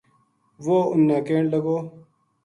وہ اِنھ نا ْکہن لگو